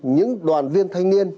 những đoàn viên thanh niên